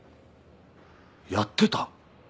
「やってた」。